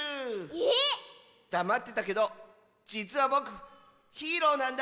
えっ⁉だまってたけどじつはぼくヒーローなんだ！